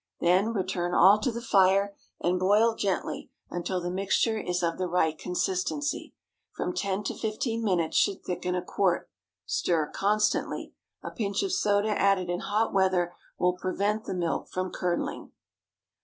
Then, return all to the fire and boil gently until the mixture is of the right consistency. From ten to fifteen minutes should thicken a quart. Stir constantly. A pinch of soda added in hot weather will prevent the milk from curdling.